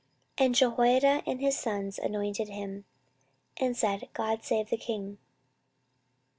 And Jehoiada and his sons anointed him, and said, God save the king.